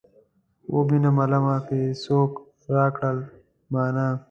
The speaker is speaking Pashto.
خوب وينم عالمه که یې څوک راکړل مانا.